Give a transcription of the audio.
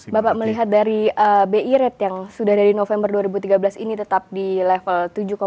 bapak melihat dari bi rate yang sudah dari november dua ribu tiga belas ini tetap di level tujuh